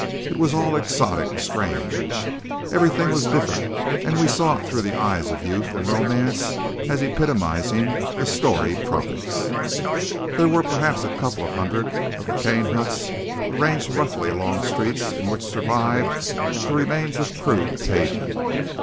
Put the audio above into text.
It was all exotic, strange. Everything was different, and we saw it through the eyes of youth and romance as epitomizing the storied tropics. There were perhaps a couple of hundred of the cane huts arranged roughly along streets in which survived the remains of crude paving.